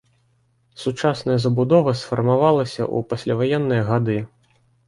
Сучасная забудова сфармавалася ў пасляваенныя гады.